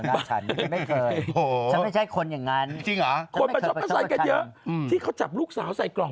ประช๊อปประชาติกันเยอะที่เขาจับลูกสาวใส่กล่อง